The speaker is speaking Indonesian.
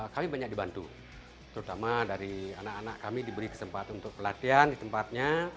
kami banyak dibantu terutama dari anak anak kami diberi kesempatan untuk pelatihan di tempatnya